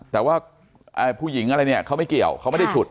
แต่ว่าผู้หญิงเขาไม่เกี่ยวเขาไม่ได้ฉุด